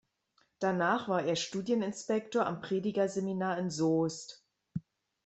Danach war er Studieninspektor am Predigerseminar in Soest.